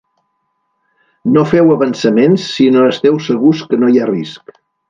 No feu avançaments si no esteu segurs que no hi ha risc.